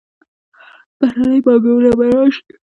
بهرنۍ پانګونه به راشي.